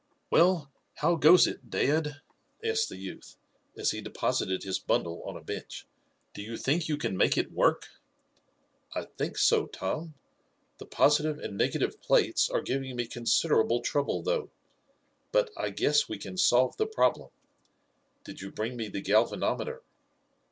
"Well, how goes it, dad?" asked the youth, as he deposited his bundle on a bench. "Do you think you can make it work?" "I think so, Tom. The positive and negative plates are giving me considerable trouble, though. But I guess we can solve the problem. Did you bring me the galvanometer?"